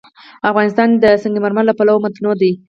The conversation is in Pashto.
افغانستان د سنگ مرمر له پلوه متنوع دی.